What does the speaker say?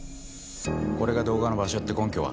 これが動画の場所って根拠は？